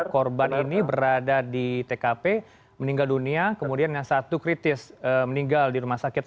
korban ini berada di tkp meninggal dunia kemudian yang satu kritis meninggal di rumah sakit